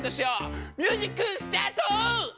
ミュージックスタート！